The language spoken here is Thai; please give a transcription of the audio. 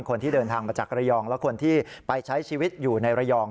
คนที่เดินทางมาจากระยองและคนที่ไปใช้ชีวิตอยู่ในระยอง